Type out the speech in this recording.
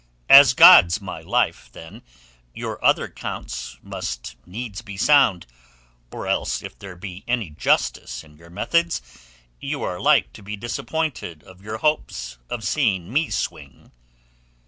"As God's my life, then, your other counts must needs be sound—or else, if there be any justice in your methods, you are like to be disappointed of your hopes of seeing me swing.